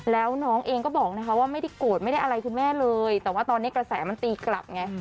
แล้วน้องเองก็บอกนะคะว่าไม่ได้โกรธไม่ได้อะไรคุณแม่เลยแต่ว่าตอนนี้กระแสมันตีกลับไง